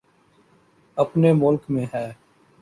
اپنے ملک میں ہے۔